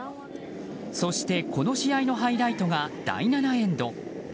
そして、この試合のハイライトが第７エンド。